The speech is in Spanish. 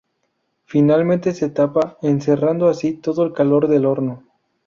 Finalmente se tapa, encerrando así todo el calor del horno.